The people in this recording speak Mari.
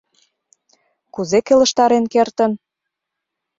Кузе келыштарен кертын?..